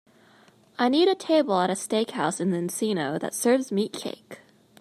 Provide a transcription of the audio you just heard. I need a table at a steakhouse in Encino that serves meatcake